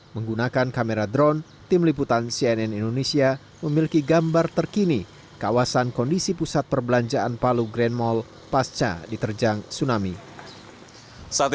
menggunakan kamera drone tim liputan cnn indonesia memiliki gambar terkini kawasan kondisi pusat perbelanjaan palu grand mall pasca diterjang tsunami